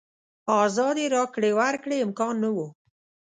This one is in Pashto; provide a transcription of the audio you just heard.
ازادې راکړې ورکړې امکان نه و.